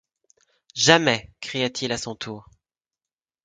Jamais! cria-t-il à son tour.